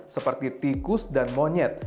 seperti tikus dan monyet